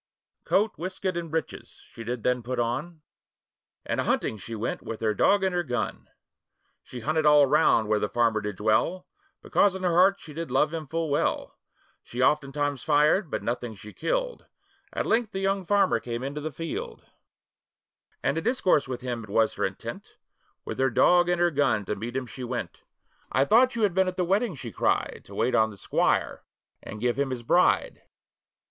Coat, waistcoat, and breeches she then did put on, And a hunting she went with her dog and her gun; She hunted all round where the farmer did dwell, Because in her heart she did love him full well: She oftentimes fired, but nothing she killed, At length the young farmer came into the field; And to discourse with him it was her intent, With her dog and her gun to meet him she went. 'I thought you had been at the wedding,' she cried, 'To wait on the squire, and give him his bride.